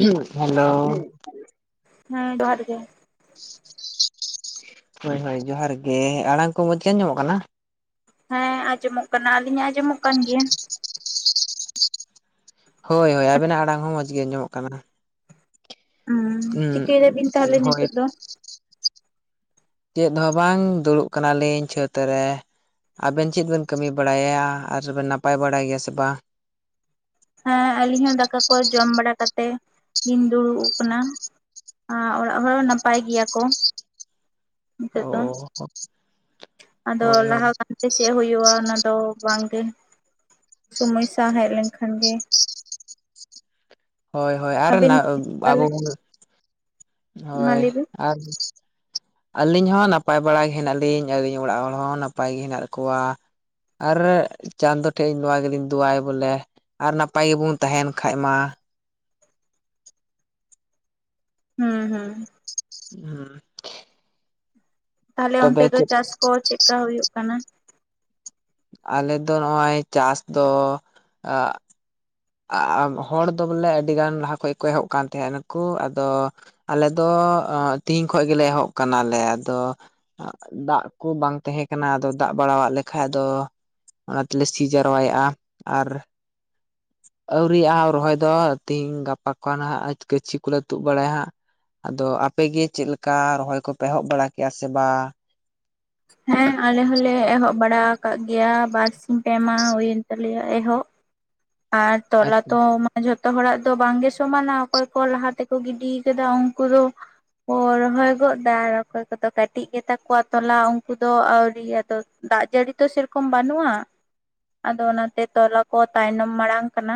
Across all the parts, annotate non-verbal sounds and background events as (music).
Hello. ᱦᱮᱸ ᱡᱚᱦᱟᱨ ᱜᱮ᱾ ᱦᱳᱭ ᱦᱳᱭ ᱡᱚᱦᱟᱨ ᱜᱮ ᱟᱲᱟᱝ ᱠᱚ ᱢᱚᱡᱽ ᱜᱮ ᱟᱸᱡᱚᱢᱚᱜ ᱠᱟᱱᱟ, ᱦᱮᱸ ᱟᱸᱡᱚᱢᱚᱜ ᱠᱟᱱᱟ ᱟᱞᱤᱧᱟᱜ ᱟᱸᱡᱚᱢᱚᱜ ᱠᱟᱱ ᱜᱮᱭᱟ, ᱦᱳᱭ ᱦᱳᱭ ᱟᱵᱤᱱᱟᱜ ᱟᱲᱟᱝ ᱦᱚᱸ ᱢᱚᱸᱡᱽ ᱜᱮ ᱟᱸᱡᱚᱢᱚᱜ ᱠᱟᱱᱟ᱾ ᱦᱩᱸ ᱩᱸ ᱪᱤᱠᱟᱹᱭ ᱫᱟ ᱵᱤᱱ ᱛᱟᱦᱚᱞᱮ ᱦᱳᱭ ᱱᱤᱛᱚᱜ ᱫᱚ? ᱪᱮᱫ ᱦᱚᱸ ᱵᱟᱝ ᱫᱩᱲᱩᱵ ᱠᱟᱱᱟᱞᱤᱧ ᱪᱷᱟᱹᱛ ᱨᱮ᱾ ᱟᱵᱮᱱ ᱪᱮᱫ ᱵᱮᱱ ᱠᱟᱹᱢᱤ ᱵᱟᱲᱟᱭᱟ ᱟᱨᱵᱮᱱ ᱱᱟᱯᱟᱭ ᱵᱟᱲᱟᱭ ᱜᱮᱭᱟ ᱥᱮ ᱵᱟᱝ? ᱦᱮᱸ ᱟᱹᱞᱤᱧ ᱦᱚᱸ ᱫᱟᱠᱟ ᱠᱚ ᱡᱚᱢ ᱵᱟᱲᱟ ᱠᱟᱛᱮᱜ ᱞᱤᱧ ᱫᱩᱲᱩᱵ ᱟᱠᱟᱱᱟ᱾ ᱟᱨ ᱚᱲᱟᱜ ᱦᱚᱲ ᱱᱟᱯᱟᱭ ᱜᱮᱭᱟ ᱠᱚ ᱱᱤᱛᱚᱜ ᱫᱚ᱾ ᱚ (inaudible) ᱟᱫᱚ ᱦᱳᱭ ᱦᱳᱭ ᱞᱟᱦᱟ ᱠᱟᱱᱟᱱᱛᱮ ᱪᱮᱫ ᱦᱩᱭᱩᱜᱼᱟ ᱚᱱᱟ ᱫᱚ ᱵᱟᱝᱜᱮᱼᱼ ᱥᱚᱢᱚᱭ ᱥᱟᱸᱣ ᱦᱮᱡ ᱞᱮᱱᱠᱷᱟᱱ ᱜᱮ, ᱦᱳᱭ ᱦᱳᱭ ᱟᱨ ᱟᱹᱵᱤᱱ ᱛᱟᱦᱚᱞᱮ ᱟᱵᱚ ᱢᱟ ᱞᱟᱹᱭ ᱦᱳᱭ ᱵᱤᱱ ᱟᱨᱼᱼ ᱟᱹᱞᱤᱧ ᱦᱚᱸ ᱱᱟᱯᱟᱭ ᱵᱟᱲᱟᱟᱜ ᱜᱮ ᱦᱮᱱᱟᱜ ᱞᱤᱧ ᱟᱹᱞᱤᱧ ᱚᱲᱟᱜ ᱦᱚᱲ ᱦᱚᱸ ᱱᱟᱯᱟᱭ ᱜᱮ ᱦᱮᱱᱟᱜ ᱠᱚᱣᱟ᱾ ᱟᱨ ᱪᱟᱸᱫᱚ ᱴᱷᱮᱡ ᱱᱚᱣᱟ ᱜᱮᱞᱤᱧ ᱫᱳᱣᱟᱭ ᱵᱚᱞᱮᱼᱼ ᱟᱨ ᱱᱟᱯᱟᱭ ᱜᱮᱵᱚᱱ ᱛᱟᱦᱮᱱ ᱠᱷᱟᱡ ᱢᱟ, ᱦᱩᱸ ᱦᱩᱸ᱾ ᱦᱮᱸ (inaudible) ᱛᱟᱦᱚᱞᱮ ᱛᱚᱵᱮ ᱚᱱᱛᱮ ᱫᱚ ᱪᱟᱥ ᱠᱚ ᱪᱮᱫ ᱠᱟ ᱦᱩᱭᱩᱜ ᱠᱟᱱᱟ? ᱟᱞᱮᱫᱚ ᱱᱚᱜᱼᱚᱭ ᱪᱟᱥ ᱫᱚᱼᱼ ᱦᱚᱲ ᱫᱚ ᱵᱚᱞᱮ ᱟᱹᱰᱤᱜᱟᱱ ᱞᱟᱦᱟ ᱠᱷᱚᱡ ᱜᱮ ᱠᱚ ᱮᱦᱚᱵ ᱠᱟᱱ ᱛᱟᱦᱮᱸᱱᱟ ᱱᱩᱠᱩ ᱟᱫᱚᱼᱼ ᱟᱞᱮ ᱫᱚ ᱛᱤᱦᱤᱧ ᱠᱷᱚᱱ ᱜᱮᱞᱮ ᱮᱦᱚᱵ ᱠᱟᱱᱟᱞᱮ ᱟᱫᱚᱼᱼ ᱫᱟᱜ ᱠᱩ ᱵᱟᱝ ᱛᱟᱦᱮᱸ ᱠᱟᱱᱟ ᱟᱫᱚ ᱫᱟᱜ ᱵᱟᱲᱟᱜ ᱞᱮᱠᱷᱟᱡ ᱫᱚᱼᱼ ᱚᱱᱟ ᱛᱮᱞᱮ ᱥᱤ ᱡᱟᱣᱨᱟᱭᱮᱫᱼᱟ ᱟᱨᱼᱼ ᱟᱹᱣᱨᱤᱭᱟᱜ-ᱟ ᱨᱚᱦᱚᱭ ᱫᱚ ᱛᱤᱦᱤᱧ ᱜᱟᱯᱟ ᱠᱷᱚᱱ ᱦᱟᱸᱜ ᱜᱟᱹᱪᱷᱤ ᱠᱚᱞᱮ ᱛᱩᱫ ᱵᱟᱲᱟᱭᱟ ᱦᱟᱸᱜ᱾ ᱟᱫᱚ ᱟᱯᱮᱜ ᱜᱮ ᱪᱮᱫ ᱞᱮᱠᱟ ᱨᱚᱦᱚᱭ ᱠᱚᱯᱮ ᱮᱦᱚᱵ ᱵᱟᱲᱟ ᱠᱮᱼᱟ ᱥᱮ ᱵᱟᱝ? ᱦᱮᱸ ᱟᱞᱮ ᱦᱚᱞᱮ ᱮᱦᱚᱵ ᱵᱟᱲᱟ ᱟᱠᱟᱫ ᱜᱮᱭᱟ ᱵᱟᱨᱥᱤᱧ ᱯᱮᱢᱟ ᱦᱩᱭᱮᱱ ᱛᱟᱞᱮᱭᱟ ᱮᱦᱚᱵ᱾ ᱟᱨ ᱛᱚᱞᱟ ᱛᱚᱼᱼ ᱡᱷᱚᱛᱚ ᱦᱚᱲᱟᱜ ᱫᱚ ᱵᱟᱝᱜᱮ ᱥᱚᱢᱟᱱᱟ ᱚᱠᱚᱭ ᱠᱚ ᱞᱟᱦᱟ ᱛᱮᱠᱚ ᱜᱤᱰᱤ ᱠᱟᱫᱟ ᱩᱱᱠᱩ ᱫᱚ, ᱠᱚ ᱨᱚᱦᱚᱭ ᱜᱚᱫ ᱫᱟ ᱚᱠᱚᱭ ᱠᱚᱫᱚ ᱠᱟᱹᱴᱤᱡ ᱜᱮᱛᱟ ᱠᱚᱣᱟ ᱛᱚᱞᱟ ᱩᱱᱠᱩ ᱫᱚ ᱟᱣᱨᱤ ᱟᱫᱚᱼᱼ ᱫᱟᱜ ᱡᱟᱹᱲᱤ ᱛᱚ ᱥᱮᱨᱚᱠᱚᱢ ᱵᱟᱹᱱᱩᱜᱼᱟ ᱟᱫᱚ ᱚᱱᱟᱛᱮ ᱛᱚᱞᱟ ᱠᱚ ᱛᱟᱭᱱᱚᱢ, ᱢᱟᱲᱟᱝ ᱠᱟᱱᱟ᱾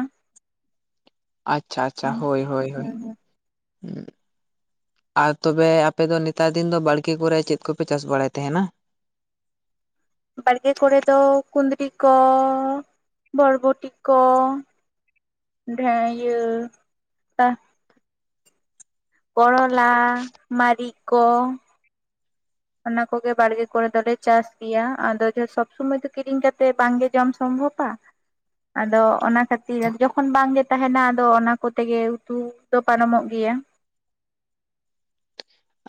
ᱟᱪᱪᱷᱟ ᱟᱪᱪᱷᱟ ᱦᱳᱭ ᱦᱳᱭ ᱦᱳᱭ ᱾ ᱟᱨ ᱛᱚᱵᱮ ᱟᱯᱮ ᱫᱚ ᱱᱮᱛᱟᱨ ᱫᱤᱱ ᱫᱚ ᱵᱟᱲᱠᱮ ᱠᱚᱨᱮ ᱪᱮᱫ ᱠᱚᱯᱮ ᱪᱟᱥ ᱵᱟᱲᱟᱭ ᱛᱟᱦᱮᱱᱟ? ᱵᱟᱲᱜᱮ ᱠᱚᱨᱮ ᱫᱚ ᱠᱩᱸᱫᱽᱨᱤ ᱠᱚ ᱵᱚᱨᱵᱚᱴᱤ ᱠᱚ, ᱰᱷᱮ ᱤᱭᱟᱹᱼᱼ ᱠᱚᱨᱚᱞᱟ ᱢᱟᱹᱨᱤᱪ ᱠᱚ, ᱚᱱᱟ ᱠᱚᱜᱮ ᱵᱟᱲᱜᱮ ᱠᱚᱨᱮ ᱫᱚᱞᱮ ᱪᱟᱥ ᱜᱮᱭᱟ ᱟᱫᱚ ᱥᱚᱵᱽ ᱥᱩᱢᱚᱭ ᱫᱚ ᱠᱤᱨᱤᱧ ᱠᱟᱛᱮ ᱵᱟᱝᱜᱮ ᱡᱚᱢ ᱥᱚᱢᱵᱷᱚᱵ᱾ ᱟ᱾ ᱟᱫᱚ ᱚᱱᱟ ᱠᱷᱟᱹᱛᱤᱨ ᱡᱚᱠᱷᱚᱱ ᱵᱟᱝᱜᱮ ᱛᱟᱦᱮᱱᱟ ᱟᱫᱚ ᱚᱱᱟ ᱠᱚᱛᱮᱜᱮ ᱩᱛᱩ ᱫᱚ ᱯᱟᱨᱚᱢᱚᱜ ᱜᱮᱭᱟ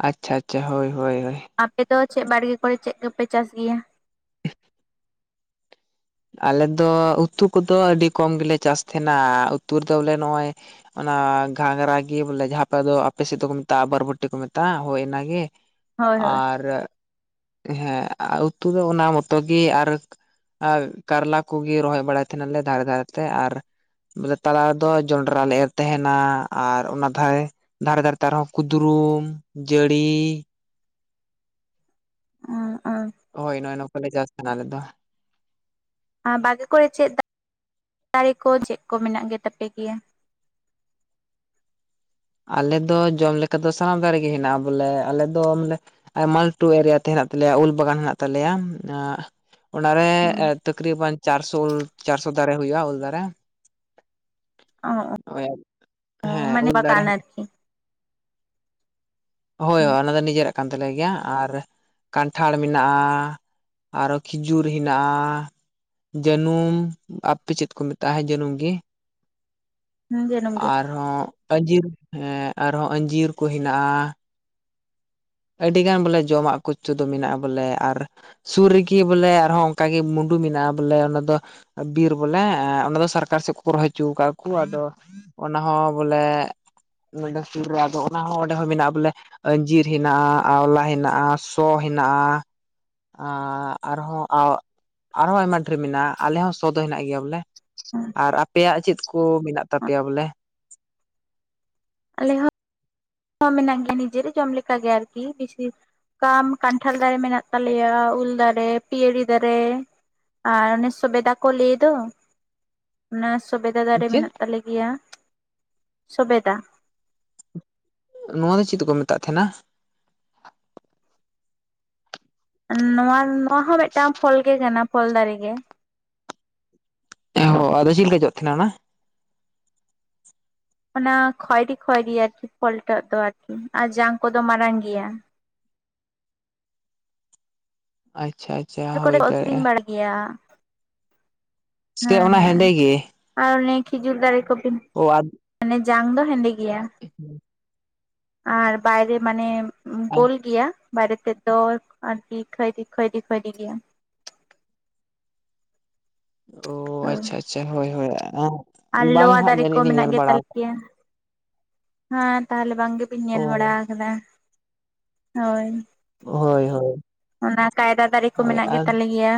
ᱟᱪᱪᱷᱟ ᱟᱪᱪᱷᱟ ᱦᱳᱭ ᱦᱳᱭ ᱦᱳᱭ ᱟᱯᱮᱫ ᱫᱚ ᱪᱮᱫ ᱵᱟᱲᱜᱮ ᱠᱚᱨᱮ ᱪᱮᱫ ᱠᱚᱯᱮ ᱪᱟᱥ ᱜᱮᱭᱟ? (unintelligible) ᱟᱞᱮ ᱫᱚ ᱩᱛᱩ ᱠᱚᱫᱚ ᱟᱹᱰᱤ ᱠᱚᱢ ᱜᱮᱞᱮ ᱪᱟᱥ ᱛᱟᱦᱮᱱᱟ ᱩᱛᱩ ᱨᱮᱫᱚ ᱵᱚᱞᱮ ᱱᱚᱜᱼᱚᱭ ᱚᱱᱟ ᱜᱷᱟᱝᱜᱨᱟ ᱜᱤ ᱵᱚᱞᱮ ᱡᱟᱦᱟᱸ ᱯᱮ ᱫᱚ ᱟᱯᱮ ᱥᱮᱫ ᱫᱚᱠᱚ ᱢᱮᱛᱟᱜᱼᱟ ᱵᱟᱨᱵᱚᱴᱤ ᱠᱚ ᱢᱮᱛᱟᱜᱼᱟ ᱦᱳᱭ ᱟᱱᱟᱜᱤ ᱦᱳᱭ ᱦᱳᱭ ᱟᱨ ᱦᱮᱸ ᱩᱛᱩ ᱫᱚ ᱚᱱᱟ ᱢᱚᱛᱚ ᱜᱤ ᱟᱨ ᱟᱨ ᱠᱟᱨᱞᱟ ᱠᱚᱜᱤ ᱨᱚᱦᱚᱭ ᱵᱟᱲᱟᱭ ᱛᱟᱸᱦᱮᱱᱟᱞᱮ ᱫᱷᱟᱨᱮ ᱫᱷᱟᱨᱮ ᱛᱮ ᱟᱨ ᱵᱚᱞᱮ ᱛᱟᱞᱟ ᱨᱮᱫᱚ ᱡᱚᱱᱰᱨᱟ ᱞᱮ ᱮᱨ ᱛᱟᱦᱮᱱᱟ ᱟᱨ ᱚᱱᱟ ᱫᱷᱟᱭ ᱫᱷᱟᱨᱮ ᱫᱷᱟᱨᱮᱛᱮ ᱟᱨᱦᱚᱸ ᱠᱩᱫᱽᱨᱩᱢ ᱡᱟᱹᱲᱤ (unintelligible) ᱦᱳᱭ ᱱᱚᱜᱼᱚᱭ ᱱᱚᱝᱠᱟ ᱞᱮ ᱪᱟᱥ ᱛᱟᱦᱮᱱᱟ ᱟᱞᱮ ᱫᱚ᱾ ᱟᱸ ᱵᱟᱨᱜᱮ ᱠᱚᱨᱮ ᱪᱮᱫ ᱫᱟᱨᱮ ᱠᱚ ᱪᱮᱜ ᱠᱚ ᱢᱮᱱᱟᱜ ᱜᱮᱛᱟᱯᱮ ᱜᱮᱭᱟ‌? ᱟᱞᱮ ᱫᱚ ᱡᱚᱢ ᱞᱮᱠᱟ ᱫᱚ ᱥᱟᱱᱟᱢ ᱫᱟᱲᱮ ᱜᱮ ᱦᱮᱱᱟᱜᱼᱟ ᱵᱚᱞᱮ ᱟᱞᱮ ᱫᱚ ᱵᱚᱞᱮ ᱟᱭᱢᱟ ᱞᱟᱹᱴᱩ ᱮᱨᱤᱭᱟ ᱛᱮ ᱦᱮᱱᱟᱜ ᱛᱟᱞᱮᱭᱟ ᱩᱞ ᱵᱟᱜᱟᱱ ᱦᱮᱱᱟᱜ ᱛᱟᱞᱮᱭᱟ ᱟᱸ ᱚᱱᱟᱨᱮ ᱦᱩᱸ ᱛᱟᱹᱠᱨᱤᱵᱟᱱ ᱪᱟᱨᱥᱚ ᱩᱞ ᱪᱟᱨᱥᱚ ᱫᱟᱨᱮ ᱦᱩᱭᱩᱜᱼᱟ ᱩᱞ ᱫᱟᱨᱮ᱾ ᱦᱳᱭ ᱚ ᱦᱮᱸ ᱢᱟᱱᱮ ᱩᱞ ᱫᱟᱨᱮ ᱵᱟᱜᱟᱱ ᱟᱨᱠᱤ ᱦᱳᱭ ᱚᱱᱟ ᱫᱚ ᱱᱤᱡᱮᱨᱟᱜ ᱠᱟᱱ ᱛᱟᱞᱮ ᱜᱮᱭᱟ ᱟᱨ ᱠᱟᱱᱴᱷᱟᱲ ᱢᱤᱱᱟᱜᱼᱟ ᱟᱨᱚ ᱠᱷᱤᱡᱩᱨ ᱦᱤᱱᱟᱜᱼᱟ ᱡᱟᱹᱱᱩᱢ ᱟᱯᱮ ᱪᱮᱫ ᱠᱩ ᱢᱮᱛᱟᱜᱼᱟ ᱡᱟᱹᱱᱩᱢ ᱜᱤ ᱦᱩᱸ ᱡᱟᱹᱱᱩᱢ ᱜᱮ ᱟᱨᱦᱚᱸ ᱟᱸᱡᱤᱨ ᱦᱮᱸ ᱟᱨᱦᱚᱸ ᱟᱸᱡᱤᱨ ᱠᱚ ᱦᱤᱱᱟᱜᱼᱟ ᱟᱹᱰᱤᱜᱟᱱ ᱵᱚᱞᱮ ᱡᱚᱢᱟᱜ ᱠᱚᱪᱩ ᱫᱚ ᱢᱤᱱᱟᱜᱼᱟ ᱵᱚᱞᱮ ᱟᱨ ᱥᱩᱨ ᱨᱤᱜᱤ ᱵᱚᱞᱮ ᱟᱨᱦᱚᱸ ᱚᱝᱠᱟᱜᱤ ᱢᱩᱸᱰᱩ ᱢᱤᱱᱟᱜᱼᱟ ᱵᱚᱞᱮ ᱚᱱᱟ ᱫᱚ ᱵᱤᱨ ᱵᱚᱞᱮ ᱚᱱᱟ ᱫᱚ ᱥᱟᱨᱠᱟᱨ ᱥᱮᱜ ᱠᱚ ᱨᱚᱦᱚᱭ ᱦᱚᱪᱩ ᱠᱟᱜ ᱠᱩ ᱟᱫᱚ ᱚᱱᱟ ᱦᱚᱸ ᱵᱚᱞᱮ ᱱᱚᱸᱰᱮ ᱥᱩᱨ ᱨᱮ ᱟᱫᱚ ᱚᱱᱟ ᱦᱚᱸ ᱚᱸᱰᱮ ᱦᱚᱸ ᱢᱮᱱᱟᱜᱼᱟ ᱵᱚᱞᱮ ᱟᱹᱡᱤᱨ ᱫᱷᱤᱱᱟᱜᱼᱟ, ᱟᱣᱞᱟ ᱦᱤᱱᱟᱜᱼᱟ, ᱥᱚ ᱦᱤᱱᱟᱜᱼᱟ ᱟᱸ ᱟᱨᱦᱚᱸ ᱟᱨᱦᱚᱸ ᱟᱭᱢᱟ ᱰᱷᱮᱨ ᱢᱤᱱᱟᱜᱼᱟ ᱟᱞᱮ ᱦᱚᱸ ᱥᱚ ᱫᱚ ᱦᱤᱱᱟᱜ ᱜᱤᱭᱟ ᱵᱚᱞᱮ ᱟᱨ ᱟᱯᱮᱭᱟᱜ ᱪᱮᱫ ᱠᱩ ᱢᱤᱱᱟᱜ ᱛᱟᱯᱮᱭᱟ ᱵᱚᱞᱮ? ᱟᱞᱮ ᱦᱚᱸ ᱢᱳᱱᱟᱜ ᱜᱤᱭᱟ ᱱᱤᱡᱮᱨᱮ ᱡᱚᱢ ᱞᱮᱠᱟ ᱜᱮ ᱟᱨᱠᱤ ᱵᱤᱥᱤ ᱠᱟᱢ ᱠᱟᱱᱴᱷᱟᱲ ᱫᱟᱨᱮ ᱢᱮᱱᱟᱜ ᱛᱟᱞᱮᱭᱟ ᱩᱞ ᱫᱟᱨᱮ ᱯᱤᱭᱟᱹᱲᱤ ᱫᱟᱨᱮ ᱟᱨ ᱚᱱᱮ ᱥᱩᱵᱮᱫᱟ ᱠᱚ ᱞᱟᱹᱭ ᱫᱚ ᱚᱱᱟ ᱥᱚᱵᱮᱫᱟ ᱫᱟᱨᱮ ᱪᱮᱫ ᱢᱮᱱᱟᱜ ᱛᱟᱞᱮ ᱜᱮᱭᱟ ᱥᱚᱵᱮᱫᱟ᱾ ᱱᱚᱣᱟ ᱫᱚ ᱪᱤᱫ ᱫᱚᱠᱚ ᱢᱮᱛᱟᱜ ᱛᱟᱦᱮᱱᱟ? ᱱᱚᱣᱟ ᱱᱚᱣᱟ ᱦᱚᱸ ᱢᱮᱫᱴᱟᱝ ᱯᱷᱚᱞ ᱜᱮ ᱠᱟᱱᱟ ᱯᱷᱚᱞ ᱫᱟᱨᱮᱜᱮ᱾ ᱚ ᱟᱨ ᱨᱤᱡᱤᱞ ᱜᱤ ᱡᱚᱜ ᱛᱟᱦᱮᱱᱟ ᱚᱱᱟ ᱚᱱᱟ ᱠᱷᱚᱭᱨᱤ ᱠᱷᱚᱭᱨᱤ ᱟᱨᱠᱤ ᱯᱚᱞᱴᱟᱜ ᱫᱚ ᱟᱨᱠᱤ ᱟᱨ ᱡᱟᱝ ᱠᱚᱫᱚ ᱢᱟᱨᱟᱝ ᱜᱤᱭᱟ᱾ ᱟᱪᱪᱷᱟ ᱟᱪᱪᱷᱟ ᱠᱚᱨᱮ ᱦᱩᱭ ᱠᱚ ᱟᱹᱠᱷᱨᱤᱧ ᱫᱟᱲᱮᱭᱟᱜᱼᱟ ᱵᱟᱲᱟᱭ ᱜᱮᱭᱟ ᱥᱮ ᱦᱮᱸ ᱚᱱᱟ ᱦᱮᱸ ᱦᱮᱸᱫᱮ ᱜᱮ ᱟᱨ ᱚᱱᱮ ᱠᱷᱤᱡᱩᱨ ᱫᱟᱨᱮ ᱠᱚᱵᱤᱱ ᱳ ᱟᱫ ᱢᱟᱱᱮ ᱡᱟᱝ ᱫᱚ ᱦᱮᱸᱫᱮ ᱜᱮᱭᱟ᱾ (unintelligible) ᱟᱨ ᱵᱟᱭᱨᱮ ᱢᱟᱱᱮ ᱜᱳᱞ ᱜᱮᱭᱟ ᱵᱟᱭᱨᱮᱛᱮᱫ ᱫᱚ ᱟᱨᱠᱤ ᱠᱷᱚᱭᱨᱤ ᱠᱷᱚᱭᱨᱤ ᱜᱮᱭᱟ ᱚ ᱟᱪᱪᱷᱟ ᱟᱪᱪᱷᱟ ᱦᱳᱭ ᱦᱳᱭ, ᱟᱨ ᱵᱟᱝ ᱞᱚᱣᱟ ᱦᱟᱸᱜ ᱫᱟᱨᱮ ᱠᱚ ᱡᱟᱹᱱᱤᱡ ᱞᱤᱧ ᱢᱮᱱᱟᱜ ᱧᱮᱞ ᱜᱮ ᱵᱟᱲᱟ ᱟᱠᱟᱫ ᱛᱟᱞᱮᱭᱟ᱾ ᱦᱟᱸ ᱛᱟᱦᱚᱞᱮ ᱵᱟᱝ ᱜᱮᱵᱤᱱ ᱧᱮᱞ ᱚ ᱵᱟᱲᱟ ᱠᱟᱫᱟ᱾ ᱦᱳᱭ, ᱦᱳᱭ ᱦᱳᱭ (inaudible) ᱚᱱᱟ ᱠᱟᱭᱨᱟ ᱫᱟᱨᱮ ᱠᱚ ᱦᱳᱭ ᱢᱮᱱᱟᱜ ᱜᱮ ᱟᱨ ᱛᱟᱞᱮᱭᱟ᱾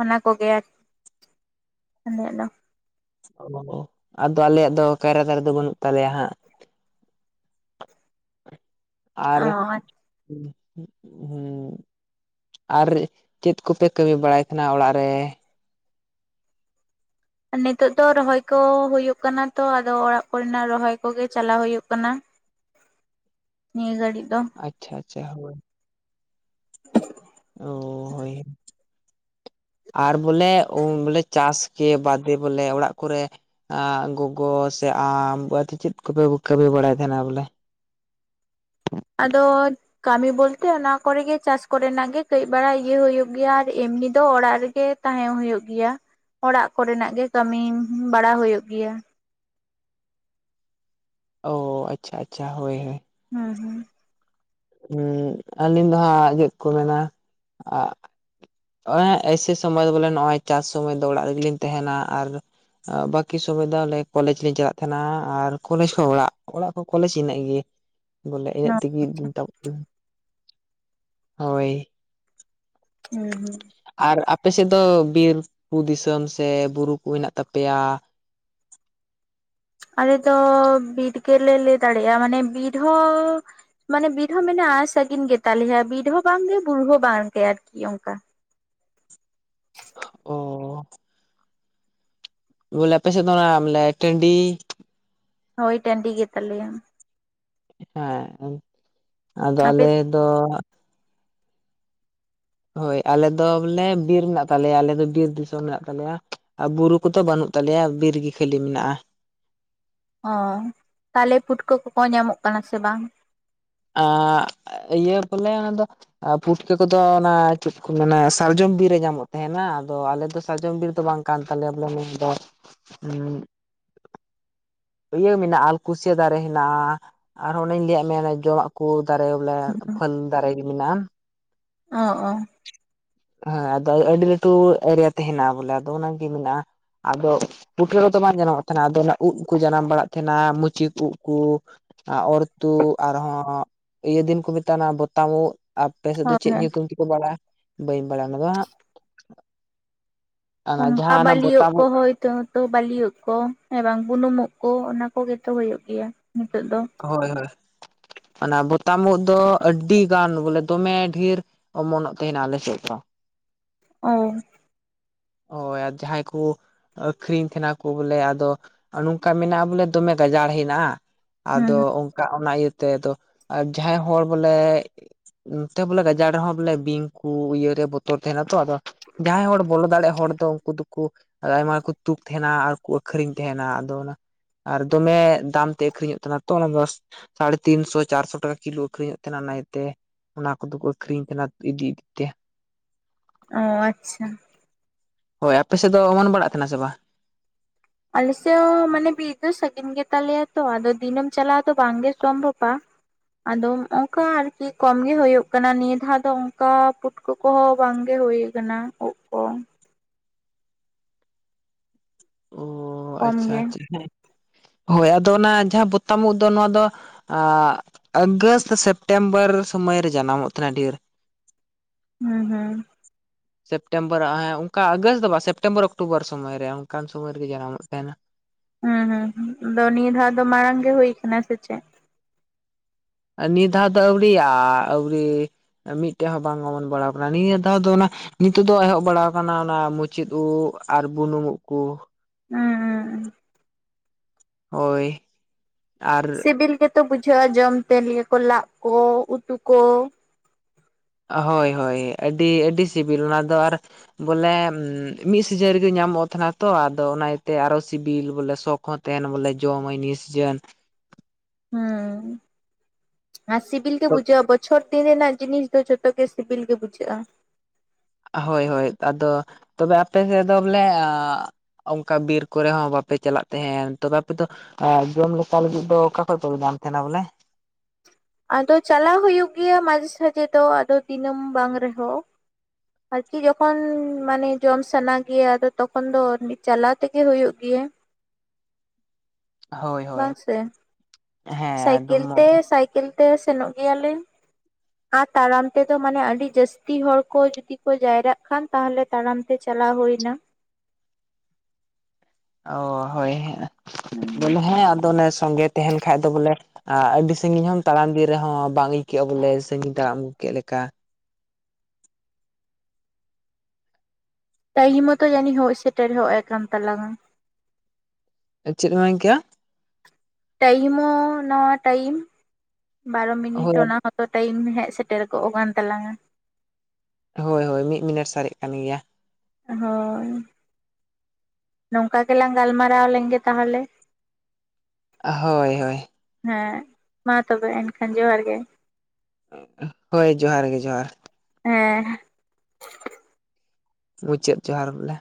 ᱚᱱᱟ ᱠᱚᱜᱮ (inaudible) ᱟᱞᱮᱭᱟᱜ ᱫᱚ᱾ ᱚ ᱟᱫᱚ ᱟᱞᱮᱭᱟᱜ ᱫᱚ ᱠᱟᱭᱨᱟ ᱫᱟᱨᱮ ᱫᱚ ᱵᱟᱹᱱᱩᱜ ᱛᱟᱞᱮᱭᱟ ᱦᱟᱸᱜ᱾ ᱟᱨ ᱚ (unintelligible) ᱟᱨ ᱪᱮᱫ ᱠᱚᱯᱮ ᱠᱟᱹᱢᱤ ᱵᱟᱲᱟᱭ ᱠᱟᱱᱟ ᱚᱲᱟᱜ ᱨᱮ? ᱱᱤᱛᱚᱜ ᱫᱚ ᱨᱚᱦᱚᱭ ᱠᱚ ᱦᱳᱭᱳᱜ ᱠᱟᱱᱟ ᱛᱚ ᱟᱫᱚ ᱚᱲᱟᱜ ᱠᱚᱨᱮᱱᱟᱜ ᱨᱚᱦᱚᱭ ᱠᱚᱜᱮ ᱪᱟᱞᱟᱣ ᱦᱳᱭᱳᱜ ᱠᱟᱱᱟ᱾ (inaudible) ᱱᱤᱭᱟᱹ ᱜᱟᱹᱲᱤᱡ ᱫᱚ᱾ ᱟᱪᱪᱷᱟ ᱟᱪᱪᱷᱟ ᱦᱳᱭ (inaudible) ᱚ ᱦᱳᱭ ᱟᱨ ᱵᱚᱞᱮ ᱪᱟᱥ ᱜᱮ ᱵᱟᱫᱮ ᱵᱚᱞᱮ ᱚᱲᱟᱜ ᱠᱚᱨᱮ ᱜᱚᱜᱚ ᱥᱮ ᱟᱢ ᱪᱮᱫ ᱠᱚᱯᱮ ᱠᱟᱹᱢᱤ ᱵᱟᱲᱟᱭᱮᱫ ᱛᱟᱦᱮᱱᱟ ᱵᱚᱞᱮ? ᱟᱫᱚ ᱠᱟᱹᱢᱤ ᱵᱚᱞᱛᱮ ᱚᱱᱟ ᱠᱚᱨᱮᱜᱤ ᱪᱟᱥ ᱠᱚᱨᱮᱱᱟᱜ ᱜᱮ ᱠᱟᱹᱡᱵᱟᱲᱟ ᱤᱭᱟᱹ ᱦᱩᱭᱩᱜ ᱜᱮᱭᱟ ᱟᱨ ᱮᱢᱱᱤ ᱫᱚ ᱚᱲᱟᱜ ᱨᱮᱜᱮ ᱛᱟᱦᱮᱸ ᱦᱩᱭᱩᱜ ᱜᱮᱭᱟ, ᱚᱲᱟᱜ ᱠᱚᱨᱮᱱᱟᱜ ᱜᱮ ᱠᱟᱹᱢᱤ ᱵᱟᱲᱟ ᱦᱩᱭᱩᱜ ᱜᱮᱭᱟ᱾ ᱚᱻ ᱟᱪᱪᱷᱟ ᱟᱪᱪᱷᱟ ᱦᱳᱭ ᱦᱳᱭ, ᱦᱩᱸ ᱦᱩᱸ ᱦᱮᱸ ᱟᱹᱞᱤᱧ ᱫᱚ ᱦᱟᱸᱜ ᱪᱮᱫ ᱠᱚ ᱢᱮᱱᱟ ᱮᱸ ᱮᱭᱥᱮ ᱥᱚᱢᱚᱭ ᱫᱚ ᱵᱚᱞᱮ ᱱᱚᱜᱼᱚᱭ ᱪᱟᱥ ᱥᱚᱢᱚᱭ ᱫᱚ ᱚᱲᱟᱜ ᱨᱮᱜᱮᱞᱤᱧ ᱛᱟᱦᱮᱱᱟ ᱟᱨ ᱵᱟᱹᱠᱤ ᱥᱚᱢᱚᱭ ᱫᱚ ᱟᱞᱮ ᱠᱚᱞᱮᱡ ᱞᱮᱤᱧ ᱪᱟᱞᱟᱜ ᱛᱟᱦᱮᱱᱟ ᱟᱨ ᱠᱚᱞᱮᱡ ᱠᱷᱚᱡ ᱚᱲᱟᱜ, ᱚᱲᱟᱜ ᱠᱷᱚᱱ ᱠᱚᱞᱮᱡᱽ ᱤᱱᱟᱹᱜ ᱜᱮ᱾ (inaudible) ᱵᱚᱞᱮ ᱤᱱᱟᱹᱜ ᱛᱮᱜᱮ ᱫᱤᱱ ᱛᱟᱵ (inaudible) ᱦᱳᱭ ᱦᱮᱸ ᱦᱩᱸ ᱟᱨ ᱟᱯᱮᱥᱮᱫ ᱫᱚ ᱵᱤᱨ ᱫᱤᱥᱚᱢ ᱥᱮ ᱵᱩᱨᱩ ᱠᱚ ᱦᱮᱱᱟᱜ ᱛᱟᱯᱮᱭᱟ? ᱟᱞᱮ ᱫᱚ ᱵᱤᱨ ᱜᱮᱞᱮ ᱞᱟᱹᱭ ᱫᱟᱲᱮᱭᱟᱜᱼᱟ ᱢᱟᱱᱮ ᱵᱤᱨ ᱦᱚᱸ ᱢᱟᱱᱮ ᱵᱤᱨ ᱦᱚᱸ ᱢᱮᱱᱟᱜ-ᱟ ᱥᱟᱹᱜᱤᱱ ᱜᱮᱛᱟᱞᱮᱭᱟ ᱵᱤᱨ ᱦᱚᱸ ᱵᱟᱝᱜᱮ ᱵᱩᱨᱩ ᱦᱚᱸ ᱵᱟᱝᱜᱮ ᱟᱨᱠᱤ ᱚᱱᱠᱟ᱾ ᱚᱻ ᱵᱚᱞᱮ ᱟᱯᱮ ᱥᱮᱫ ᱫᱚ ᱚᱱᱟ ᱵᱚᱞᱮ ᱴᱟᱺᱰᱤ ᱦᱳᱭ ᱴᱟᱺᱰᱤ ᱜᱮ ᱛᱟᱞᱮᱭᱞᱟ ᱾ ᱦᱮᱸ, ᱟᱫᱚ ᱟᱯᱮ ᱟᱞᱮ ᱫᱚ ᱦᱳᱭ ᱟᱞᱮ ᱫᱚ ᱵᱚᱞᱮ ᱵᱤᱨ ᱦᱮᱱᱟᱜ ᱛᱟᱞᱮᱭᱟ ᱟᱞᱮ ᱫᱚ ᱵᱤᱨ ᱫᱤᱥᱚᱢ ᱢᱮᱱᱟᱜ ᱛᱟᱞᱮᱭᱟ ᱟᱨ ᱵᱩᱨᱩ ᱦᱟᱹᱠᱩ ᱛᱚ ᱵᱟᱹᱱᱩᱜ ᱛᱟᱞᱮᱭᱟ ᱵᱤᱨ ᱜᱮ ᱠᱷᱟᱹᱞᱤ ᱢᱮᱱᱟᱜᱼᱟ᱾ ᱚ ᱛᱟᱦᱚᱞᱮ ᱯᱷᱩᱴᱠᱟᱹ ᱠᱚᱠᱚ ᱧᱟᱢᱚᱜ ᱠᱟᱱᱟ ᱥᱮ ᱵᱟᱝ? ᱟ ᱤᱭᱟᱹ ᱯᱟᱞᱮ ᱚᱱᱟ ᱫᱚ ᱯᱷᱩᱴᱠᱟᱹ ᱠᱚᱫᱚ ᱚᱱᱟ ᱪᱮᱫ ᱠᱚ ᱢᱮᱱᱟ ᱥᱟᱨᱡᱚᱢ ᱵᱤᱨ ᱨᱮ ᱧᱟᱢᱚᱜ ᱛᱟᱦᱮᱱᱟ ᱟᱫᱚ ᱟᱞᱮ ᱫᱚ ᱥᱟᱨᱡᱚᱢ ᱵᱤᱨ ᱫᱚ ᱵᱟᱝ ᱠᱟᱱ ᱛᱟᱞᱮᱭᱟ ᱵᱚᱞᱮ ᱱᱤᱭᱟᱹ ᱫᱚ ᱤᱭᱟᱹ ᱢᱮᱱᱟᱜᱼᱟ ᱟᱞ ᱠᱩᱥᱭᱟᱹ ᱫᱟᱨᱮ ᱦᱮᱱᱟᱜᱼᱟ᱾ ᱟᱨᱦᱚᱸ ᱚᱱᱮᱧ ᱞᱟᱹᱭᱟᱜ ᱢᱮᱭᱟ ᱡᱚᱢᱟᱜ ᱠᱚ ᱫᱟᱨᱮ ᱵᱚᱞᱮ ᱯᱷᱟᱹᱞ ᱫᱟᱨᱮ ᱢᱮᱱᱟᱜᱼᱟ᱾ ᱚ ᱚ, ᱦᱮᱸ ᱟᱫᱚ ᱟᱹᱰᱤ ᱞᱟᱹᱴᱩ ᱮᱨᱤᱭᱟ ᱛᱮ ᱦᱮᱱᱟᱜ ᱵᱚᱞᱮ ᱟᱫᱚ ᱚᱱᱟᱜᱮ ᱢᱮᱱᱟᱜᱼᱟ᱾ ᱟᱫᱚ ᱯᱩᱴᱠᱟᱹ ᱠᱚ ᱫᱚ ᱵᱟᱝ ᱡᱟᱱᱟᱢᱚᱜ ᱛᱟᱦᱮᱱᱟ ᱟᱫᱚ ᱚᱱᱟ ᱩᱫ ᱠᱚ ᱡᱟᱱᱟᱢ ᱵᱟᱲᱟᱜ ᱛᱟᱦᱮᱱᱟ ᱢᱩᱪᱤᱠ ᱩᱫ ᱠᱚ ᱟᱨ ᱚᱨᱛᱩᱜ ᱟᱨᱦᱚᱸ ᱤᱭᱟᱹ ᱫᱤᱱ ᱠᱚ ᱢᱮᱛᱟᱜ ᱵᱚᱛᱟᱢᱚ ᱩᱫ᱾ ᱟᱯᱮ ᱥᱮᱫ ᱫᱚ ᱦᱳᱭ ᱪᱮᱫ ᱦᱳᱭ ᱧᱩᱛᱩᱢ ᱛᱮᱠᱚ ᱵᱟᱲᱟᱭᱟ ᱵᱟᱹᱧ ᱵᱟᱲᱟᱭᱟ ᱚᱱᱟ ᱫᱚ ᱦᱟᱸᱜ ᱚᱱᱟ (unintelligible) ᱡᱟᱦᱟᱸ ᱚᱱᱟ ᱟᱵᱟᱞᱤᱭᱚᱜ ᱵᱚᱛᱟᱢ ᱠᱚ ᱩᱫ ᱦᱚᱭᱛᱚ ᱛᱚ ᱵᱟᱹᱞᱤᱭᱟᱹᱜ ᱠᱚ ᱮ ᱵᱟᱝ ᱵᱩᱱᱩᱢᱚᱜ ᱠᱚ ᱚᱱᱟ ᱠᱚᱜᱮ ᱛᱚ ᱦᱩᱭᱩᱜ ᱜᱮᱭᱟ ᱱᱤᱛᱚᱜ ᱫᱚ ᱦᱳᱭ ᱦᱳᱭ ᱚᱱᱟ ᱵᱚᱛᱟᱢ ᱩᱫ ᱫᱚ ᱟᱹᱰᱤ ᱜᱟᱱ ᱵᱚᱞᱮ ᱫᱚᱢᱮ ᱰᱷᱮᱨ ᱚᱢᱚᱱᱚᱜ ᱛᱟᱦᱮᱱᱟ ᱟᱞᱮ ᱥᱮᱫ ᱫᱚ ᱚᱭ ᱦᱳᱭ ᱟᱨ ᱡᱟᱦᱟᱸᱭ ᱠᱚ ᱟᱹᱷᱨᱤᱧ ᱛᱟᱦᱮᱱᱟ ᱠᱚ ᱵᱚᱞᱮ ᱟᱫᱚ ᱱᱚᱝᱠᱟ ᱢᱮᱱᱟᱜᱼᱟ ᱵᱚᱞᱮ ᱫᱚᱢᱮ ᱜᱟᱡᱟᱲ ᱦᱮᱱᱟᱜᱼᱟ᱾ ᱦᱩᱸ ᱟᱫᱚ ᱦᱩᱸ ᱚᱝᱠᱟ ᱚᱱᱟ ᱤᱭᱟᱹᱛᱮ ᱫᱚ ᱡᱟᱦᱟᱸᱭ ᱦᱚᱲ ᱵᱚᱞᱮ ᱚᱱ ᱛᱮ ᱵᱚᱞᱮ ᱜᱟᱡᱟᱲ ᱨᱮᱦᱚᱸ ᱵᱚᱞᱮ ᱵᱤᱧ ᱠᱚ ᱤᱭᱟᱹ ᱨᱮ ᱵᱚᱛᱚᱨ ᱛᱟᱦᱮᱱᱟ ᱛᱚ ᱟᱫᱚ ᱡᱟᱦᱟᱸᱭ ᱦᱚᱲ ᱵᱚᱞᱚ ᱫᱟᱲᱮᱜ ᱦᱳ ᱦᱚᱲ ᱫᱚ ᱩᱱᱠᱩ ᱫᱚᱠᱚ ᱟᱭᱢᱟ ᱜᱮᱠᱚ ᱛᱩᱠ ᱛᱟᱦᱮᱱᱟ ᱟᱨ ᱠᱩ ᱟᱹᱠᱷᱨᱤᱧ ᱛᱟᱦᱮᱱᱟ ᱟᱫᱚ ᱚᱱᱟ᱾ ᱟᱨ ᱫᱚᱢᱮ ᱫᱟᱢ ᱛᱮ ᱟᱹᱠᱷᱨᱤᱧᱚᱜ ᱛᱟᱦᱮᱱᱟ ᱛᱚ ᱚᱱᱟ ᱫᱚ ᱥᱟᱲᱮ ᱛᱤᱱᱥᱚ ᱪᱟᱨᱥᱚ ᱴᱟᱠᱟ ᱠᱤᱞᱳ ᱟᱹᱷᱨᱤᱧᱚᱜ ᱛᱟᱦᱮᱱᱟ ᱚᱱᱟ ᱤᱭᱟᱹᱛᱮ ᱚᱱᱟ ᱠᱚᱫᱚ ᱠᱚ ᱟᱹᱷᱨᱤᱧ ᱛᱟᱦᱮᱸ ᱤᱫᱤ ᱤᱫᱤ ᱛᱮ ᱚ ᱟᱪᱪᱷᱟ᱾ ᱦᱳᱭ ᱟᱯᱮ ᱥᱮᱫ ᱫᱚ ᱚᱢᱚᱱ ᱵᱟᱲᱟᱜ ᱛᱟᱦᱮᱱᱟ ᱥᱮ ᱵᱟᱝ ᱟᱞᱮᱥᱮᱫ ᱦᱚᱸ ᱢᱟᱱᱮ ᱵᱤᱨ ᱫᱚ ᱥᱟᱺᱜᱤᱧ ᱜᱮ ᱛᱟᱞᱮᱭᱟ ᱛᱚ ᱟᱫᱚ ᱫᱤᱱᱟᱢ ᱪᱟᱞᱟᱣ ᱫᱚ ᱵᱟᱝ ᱜᱮ ᱥᱚᱢᱵᱷᱚᱵᱼᱟ᱾ ᱟᱫᱚ ᱚᱱᱠᱟ ᱟᱨᱠᱤ ᱠᱚᱢ ᱜᱤ ᱦᱳᱭ ᱠᱟᱱᱟ ᱱᱤᱭᱟᱹ ᱫᱷᱟᱣ ᱫᱚ ᱚᱱᱠᱟᱱ ᱯᱩᱴ ᱯᱩᱴᱠᱩ ᱠᱚᱦᱚᱸ ᱵᱟᱝᱜᱮ ᱦᱳᱭ ᱟᱠᱟᱱᱟ ᱩᱜ ᱠᱚ᱾ ᱚ ᱠᱚᱢ ᱟᱪᱪᱷᱟ ᱜᱮ ᱟᱪᱪᱷᱟ ᱦᱮᱸ ᱦᱳᱭ ᱟᱫᱚ ᱚᱱᱟ ᱡᱟᱦᱟᱸ ᱵᱚᱛᱟᱢ ᱩᱫ ᱫᱚ ᱱᱚᱣᱟ ᱫᱚ᱾ ᱟᱜᱟᱥᱴ ᱥᱮᱯᱴᱮᱢᱵᱟᱨ ᱥᱚᱢᱚᱭ ᱨᱮ ᱡᱟᱱᱟᱢᱚᱜ ᱛᱟᱦᱮᱱᱟ ᱰᱷᱮᱨ᱾ ᱦᱩᱸ ᱦᱩᱸ᱾ ᱥᱮᱯᱴᱮᱢᱵᱚᱨ ᱟᱨ ᱦᱟᱸᱜ ᱚᱱᱠᱟ ᱟᱜᱚᱥᱴ ᱫᱚ ᱵᱟᱝ ᱥᱮᱯᱴᱮᱢᱵᱚᱨ ᱚᱠᱴᱳᱵᱚᱨ ᱥᱚᱢᱚᱭ ᱨᱮ ᱚᱱᱠᱟᱱ ᱥᱚᱢᱚᱭ ᱨᱮᱜᱮ ᱡᱟᱱᱟᱢᱚᱜ ᱛᱟᱦᱮᱱᱟ᱾ ᱦᱩᱸ ᱦᱩᱸ ᱟᱫᱚ ᱱᱤᱭᱟᱹ ᱫᱷᱟᱣ ᱫᱚ ᱢᱟᱲᱟᱝ ᱜᱮ ᱦᱩᱭ ᱟᱠᱟᱱᱟ ᱥᱮ ᱪᱮᱫ᱾ ᱱᱤᱭᱟᱹ ᱫᱷᱟᱣ ᱫᱚ ᱟᱹᱣᱲᱤᱭᱟ ᱟᱹᱣᱲᱤ ᱢᱤᱫᱴᱮᱡ ᱦᱚᱸ ᱵᱟᱝ ᱚᱢᱚᱱ ᱵᱟᱲᱟᱣ ᱟᱠᱟᱱᱟ ᱱᱤᱭᱟᱹ ᱫᱷᱟᱣ ᱫᱚ ᱚᱱᱟ᱾ ᱱᱤᱛᱚᱜ ᱫᱚ ᱮᱦᱚᱵ ᱵᱟᱲᱟ ᱟᱠᱟᱱᱟ ᱚᱱᱟ ᱢᱩᱪᱤᱹᱫ ᱩᱫ ᱟᱨ ᱵᱩᱱᱩᱢ ᱩᱫ ᱠᱩ᱾ ᱦᱩᱸ ᱦᱩᱸ ᱦᱩᱸ ᱦᱳᱭ᱾ ᱟᱨ ᱥᱤᱵᱤᱞ ᱜᱮᱛᱚ ᱵᱩᱡᱷᱟᱹᱜᱼᱟ ᱡᱚᱢ ᱛᱮ ᱤᱭᱟᱹ ᱠᱚ ᱞᱟᱜ ᱠᱚ ᱩᱛᱩ ᱠᱚ᱾ ᱦᱳᱭ ᱦᱳᱭ ᱟᱹᱰᱤ ᱟᱹᱰᱤ ᱥᱤᱵᱤᱞ ᱚᱱᱟ ᱫᱚ ᱟᱨ ᱵᱚᱞᱮ ᱢᱤᱫ ᱥᱤᱡᱟᱹᱱ ᱨᱮᱜᱤ ᱧᱟᱢᱚᱜ ᱛᱟᱦᱮᱱᱟ ᱛᱚ ᱟᱫᱚ ᱚᱱᱟ ᱤᱭᱟᱹᱛᱮ ᱟᱨᱚ ᱥᱤᱵᱤᱞ ᱵᱚᱞᱮ ᱥᱚ ᱦᱚᱸ᱾ ᱛᱮᱱ ᱵᱚᱞᱮ ᱡᱚᱢ ᱢᱟᱧ ᱱᱤᱭᱟᱹ ᱥᱤᱡᱟᱹᱱ ᱦᱩᱸ ᱟᱨ ᱥᱤᱵᱤᱞ ᱜᱮ ᱵᱩᱡᱟᱹᱣᱜᱼᱟ ᱵᱚᱪᱷᱚᱨ ᱫᱤᱱ ᱨᱮᱱᱟᱜ ᱡᱤᱱᱤᱥ ᱫᱚ ᱡᱷᱚᱛᱚ ᱜᱮ ᱥᱤᱵᱤᱞ ᱜᱮ ᱵᱩᱡᱷᱟᱹᱜᱼᱟ᱾ ᱦᱳᱭ ᱦᱳᱭ ᱟᱫᱚ ᱛᱚᱵᱮ ᱟᱯ ᱥᱮᱫ ᱫᱚ ᱵᱚᱞᱮ᱾ (unintelligible) ᱚᱱᱠᱟ ᱵᱤᱨ ᱠᱚᱨᱮ ᱦᱚᱸ ᱵᱟᱯᱮ ᱪᱟᱞᱟᱜ ᱛᱟᱦᱮᱱ ᱛᱚᱵᱮ ᱟᱯᱮ ᱫᱚ ᱟᱨ ᱡᱚᱢ ᱞᱮᱠᱟ ᱞᱟᱹᱜᱤᱫ ᱫᱚ ᱚᱠᱟ ᱠᱷᱚᱡ ᱯᱮ ᱧᱟᱢ ᱛᱟᱦᱮᱱᱟ ᱵᱚᱞᱮ? ᱟᱫᱚ ᱪᱟᱞᱟᱣ ᱦᱩᱭᱩᱜ ᱜᱮᱭᱟ ᱢᱟᱡᱷᱮ ᱥᱟᱡᱷᱮ ᱫᱚ ᱟᱫᱚ ᱫᱤᱱᱟᱹᱢ ᱵᱟᱝ ᱨᱮᱦᱚᱸ ᱟᱨᱠᱤ ᱡᱚᱠᱷᱚᱱ ᱢᱟᱱᱮ ᱡᱚᱢ ᱥᱟᱱᱟ ᱜᱮᱭᱟ ᱟᱫᱚ ᱛᱚᱠᱷᱚᱱ ᱫᱚ ᱪᱟᱞᱟᱣ ᱛᱮᱜᱮ ᱦᱩᱭᱩᱜ ᱜᱮᱭᱟ᱾ ᱦᱳᱭ ᱦᱳᱭ ᱵᱟᱝ ᱥᱮ ᱦᱮᱸ ᱮᱠᱫᱚᱢ ᱥᱟᱭᱠᱮᱞ ᱛᱮ ᱥᱟᱭᱠᱮᱞ ᱛᱮ ᱥᱮᱱᱚᱜ ᱜᱮᱭᱟ ᱞᱮ᱾ ᱟᱨ ᱛᱟᱨᱟᱢ ᱛᱮᱫᱚ ᱢᱟᱱᱮ ᱟᱹᱰᱤ ᱡᱟᱹᱥᱛᱤ ᱦᱚᱲ ᱠᱚ ᱡᱩᱫᱤ ᱠᱚ ᱡᱟᱭᱨᱟᱜ ᱠᱷᱟᱱ ᱛᱟᱦᱚᱞᱮ ᱛᱟᱲᱟᱢ ᱛᱮ ᱪᱟᱞᱟᱣ ᱦᱩᱭ ᱱᱟ᱾ ᱚ ᱦᱳᱭ ᱦᱮᱸ ᱱᱟᱦᱟᱸᱜ ᱦᱩᱸ ᱵᱚᱞᱮ ᱦᱮᱸ ᱟᱫᱚ ᱚᱱᱮ ᱥᱚᱝᱜᱮ ᱛᱟᱦᱮᱟᱸᱱ ᱠᱷᱟ ᱫᱚ ᱵᱚᱞᱮ ᱟᱨ ᱟᱹᱰᱤ ᱥᱟᱺᱜᱤᱧ ᱦᱚᱢ ᱛᱟᱲᱟᱢ ᱤᱫᱤ ᱨᱮᱦᱚᱸ ᱵᱟᱝ ᱟᱹᱭᱠᱟᱹᱜᱼᱟ ᱵᱚᱞᱮ ᱥᱟᱺᱜᱤᱧ ᱛᱟᱲᱟᱢ ᱟᱹᱜᱩ ᱠᱮᱫ ᱞᱮᱠᱟ ᱾ ᱴᱟᱭᱤᱢ ᱦᱚᱛᱚ ᱡᱟᱹᱱᱤᱡ ᱦᱳᱭ ᱥᱮᱴᱮᱨ ᱦᱚ ᱠᱟᱱ ᱛᱟᱞᱟᱝ? ᱪᱮᱫ ᱮᱢ ᱢᱮᱱᱟ ᱠᱮᱭᱟ? ᱴᱟᱭᱤᱢ ᱦᱚᱸ ᱱᱚᱣᱟ ᱴᱟᱭᱤᱢ ᱵᱟᱨᱚ ᱢᱤᱱᱤᱴ, ᱦᱳᱭ ᱚᱱᱟ ᱟᱫᱚ ᱴᱟᱭᱤᱢ ᱦᱮᱡ ᱥᱮᱴᱮᱨ ᱠᱚᱜ ᱠᱟᱱ ᱛᱟᱞᱟᱝᱼᱟ ᱾ ᱦᱳᱭ ᱦᱳᱭ, ᱢᱤᱫ ᱢᱤᱱᱤᱴ ᱥᱟᱨᱮᱡ ᱠᱟᱱ ᱜᱮᱭᱟ ᱾ ᱦᱳᱭ ᱾ ᱱᱚᱝᱠᱟ ᱜᱮᱞᱟᱝ ᱜᱟᱞᱢᱟᱨᱟᱣ ᱞᱮᱱ ᱜᱮ ᱛᱟᱦᱞᱮ? ᱦᱳᱭ ᱦᱳᱭ ᱾ ᱦᱮᱸ, ᱢᱟ ᱛᱚᱵᱮ ᱮᱱᱠᱷᱟᱱ ᱡᱚᱦᱟᱨ ᱜᱮ ᱾ ᱦᱳᱭ ᱡᱚᱦᱟᱨ ᱜᱮ ᱡᱚᱦᱟᱨ ᱾ ᱦᱮᱸ ᱾ ᱢᱩᱪᱟᱹᱫ ᱡᱚᱦᱟᱨ ᱵᱚᱞᱮ